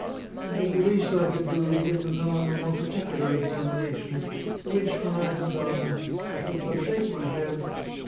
It was the least I could do to give the melon a more particular examination; which, when I had done, I could but shake my head.